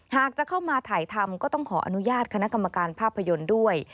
หากจะเข้ามาถ่ายทำก็ต้องขออนุญาตคณะกรรมการภาพยนตร์ด้วย